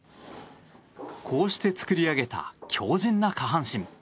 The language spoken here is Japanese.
こうして作り上げた強靭な下半身。